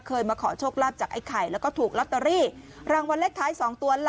มาขอโชคลาภจากไอ้ไข่แล้วก็ถูกลอตเตอรี่รางวัลเลขท้าย๒ตัว